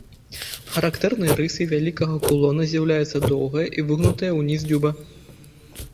Характэрнай рысай вялікага кулона з'яўляецца доўгая і выгнутая ўніз дзюба.